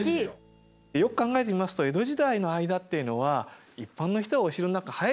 よく考えてみますと江戸時代の間っていうのは一般の人はお城の中入ることもできませんでしたので。